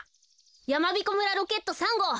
やまびこ村ロケット３ごう。